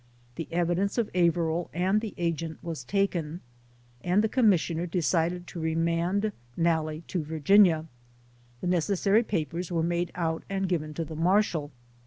The evidence of Averill and the agent was taken, and the Commissioner decided to remand Nalle to Virginia, The necessary papers were made out and given to the Marshal.